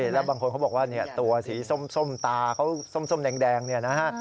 แล้วบางคนเขาบอกว่าตัวสีส้มตาเขาส้มแดงเนี่ยนะฮะ